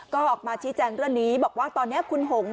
ก็ออกมาชี้แจงเรื่องนี้บอกว่าตอนนี้คุณหง